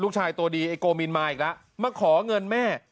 ลูกชายตัวดีไอ้โกมีนมาอีกแล้วมาขอเงินแม่